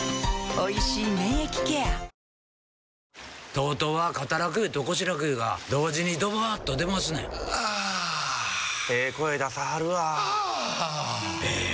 ＴＯＴＯは肩楽湯と腰楽湯が同時にドバーッと出ますねんあええ声出さはるわあええ